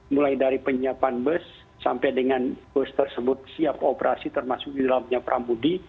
mulai dari penyiapan bus sampai dengan bus tersebut siap operasi termasuk di dalamnya pramudi